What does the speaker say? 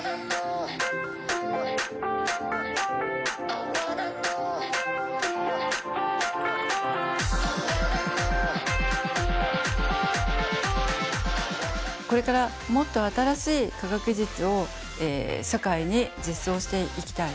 特にこれからもっと新しい科学技術を社会に実装していきたい。